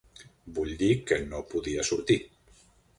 Vull dir que no podia sortir.